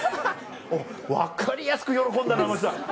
分かりやすく喜んだな真木さん。